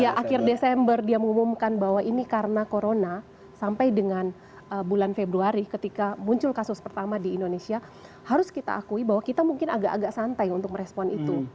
ya akhir desember dia mengumumkan bahwa ini karena corona sampai dengan bulan februari ketika muncul kasus pertama di indonesia harus kita akui bahwa kita mungkin agak agak santai untuk merespon itu